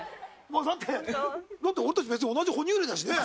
だってだって俺たち別に同じ哺乳類だしね。